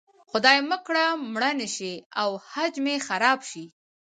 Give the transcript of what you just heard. خدای مه کړه مړه نه شي او حج مې خراب شي.